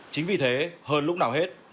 chính vì thế hơn lúc nào hết